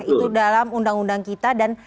itu dalam undang undang kita dan